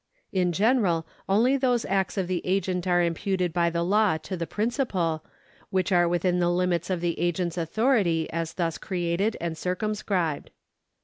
In general only those acts of the agent are imputed by the law to the principal, which are within the hmits of the agent's authority as thus created and circumscribed.